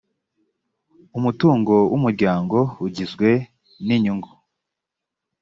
umutungo w umuryango ugizwe n inyungu